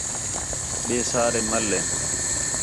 ٻئے سارے مَل ہِن